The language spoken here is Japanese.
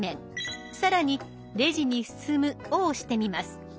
更に「レジに進む」を押してみます。